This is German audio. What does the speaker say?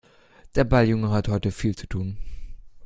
Der Balljunge hat heute viel zu tun.